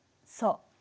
そう。